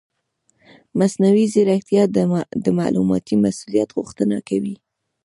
مصنوعي ځیرکتیا د معلوماتي مسؤلیت غوښتنه کوي.